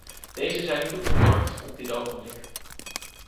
Dezen zijn niet op de markt op dit ogenblik.